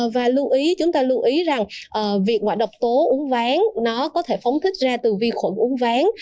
và chúng ta lưu ý rằng việc ngoại độc tố uốn ván có thể phóng thích ra từ vi khuẩn uốn ván